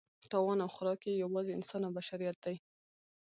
تاوان او خوراک یې یوازې انسان او بشریت دی.